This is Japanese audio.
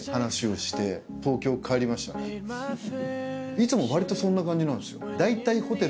いつも割とそんな感じなんですよ。